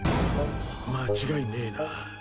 間違いねえな。